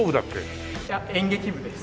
いや演劇部です。